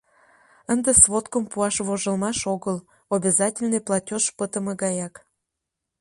Ынде сводкым пуаш вожылмаш огыл: обязательный платеж пытыме гаяк.